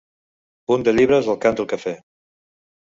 punt de llibres al Candle Cafe